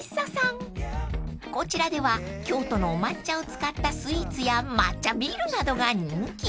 ［こちらでは京都のお抹茶を使ったスイーツや抹茶ビールなどが人気］